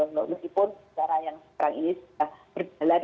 meskipun cara yang sekarang ini sudah berjalan